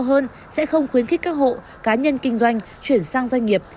nâng mức giảm thuế cao hơn sẽ không khuyến khích các hộ cá nhân kinh doanh chuyển sang doanh nghiệp